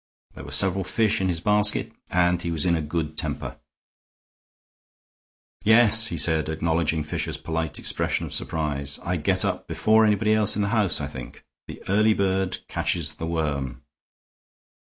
There were several fish in his basket and he was in a good temper. "Yes," he said, acknowledging Fisher's polite expression of surprise, "I get up before anybody else in the house, I think. The early bird catches the worm."